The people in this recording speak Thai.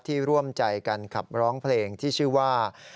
ร่วมใจกันขับร้องเพลงที่ชื่อว่า